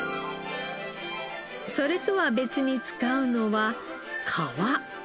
それとは別に使うのは皮。